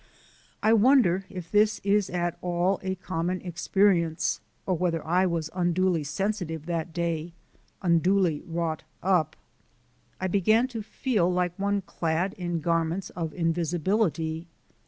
I wonder if this is at all a common experience, or whether I was unduly sensitive that day, unduly wrought up? I began to feel like one clad in garments of invisibility.